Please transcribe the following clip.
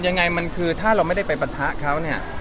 ผมมีเกียร์ถอยหลัง